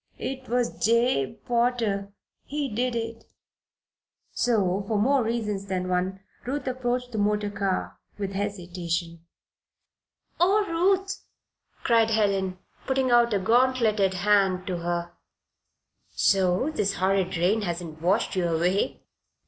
"It was Jabe Potter he did it." So, for more reasons than one, Ruth approached the motor car with hesitation. "Oh, Ruth!" cried Helen, putting out a gauntleted hand to her. "So this horrid rain has not washed you away?